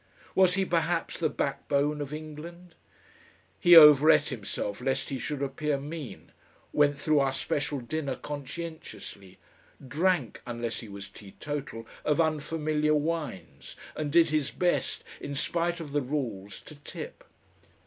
Was he perhaps the backbone of England? He over ate himself lest he should appear mean, went through our Special Dinner conscientiously, drank, unless he was teetotal, of unfamiliar wines, and did his best, in spite of the rules, to tip.